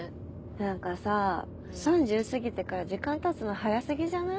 何かさ３０過ぎてから時間経つの早過ぎじゃない？